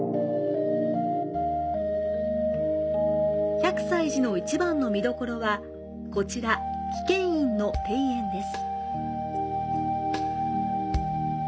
百済寺の一番の見どころは、こちら喜見院の庭園です。